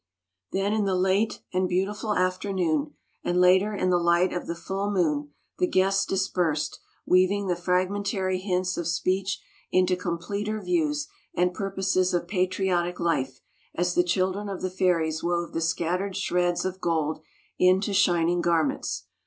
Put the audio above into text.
Then in the late and beautiful afternoon, and later in the light of the full moon, the guests dispersed, weaving the fragmentary hints of speech into completer views and purposes of patriotic life, as the children of the fairies wove the scattered shreds of gold into shining garments.